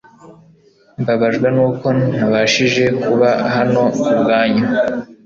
mbabajwe nuko ntabashije kuba hano kubwanyu